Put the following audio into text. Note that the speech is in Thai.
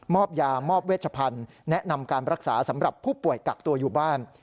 ยามอบเวชพันธุ์แนะนำการรักษาสำหรับผู้ป่วยกักตัวอยู่บ้าน